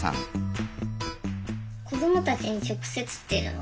子どもたちに直接っていうのは。